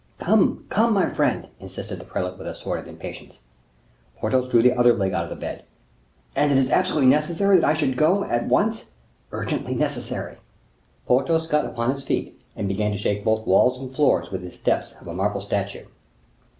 "Come, come! my friend," insisted the prelate with a sort of impatience. Porthos drew the other leg out of the bed. "And is it absolutely necessary that I should go, at once?" "Urgently necessary." Porthos got upon his feet, and began to shake both walls and floors with his steps of a marble statue.